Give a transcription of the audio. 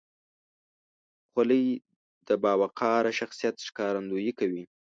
خولۍ د باوقاره شخصیت ښکارندویي کوي.